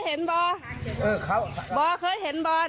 หานวยปุ๊ว